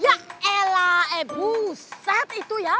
ya elah eh buset itu ya